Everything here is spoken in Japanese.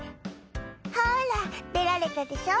「ほら出られたでしょ」